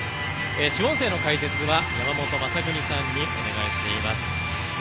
主音声の解説は山本昌邦さんにお願いしています。